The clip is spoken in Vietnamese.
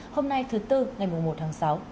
hôm nay thứ bốn ngày một tháng sáu